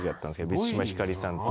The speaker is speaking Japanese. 満島ひかりさんと。